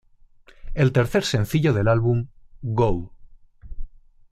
El tercer sencillo del álbum, "Go!